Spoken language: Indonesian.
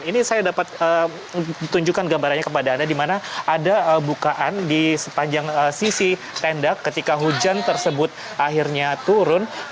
ini saya dapat tunjukkan gambarannya kepada anda di mana ada bukaan di sepanjang sisi tenda ketika hujan tersebut akhirnya turun